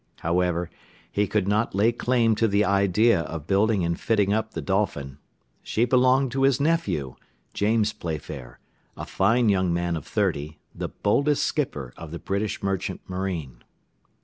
However, he could not lay claim to the idea of building and fitting up the Dolphin; she belonged to his nephew, James Playfair, a fine young man of thirty, the boldest skipper of the British merchant marine.